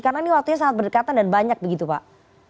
karena ini waktunya sangat berdekatan dan banyak begitu pak